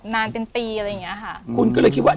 นานเป็นปีคุณก็เลยคิดว่า